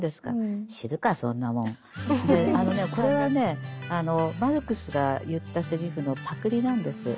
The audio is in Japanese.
これはねマルクスが言ったセリフのパクリなんです。へ。